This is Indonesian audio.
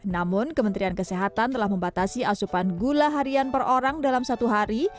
namun kementerian kesehatan telah membatasi asupan gula harian per orang dalam satu hari